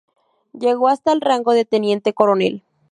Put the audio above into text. Llegó hasta el rango de teniente coronel.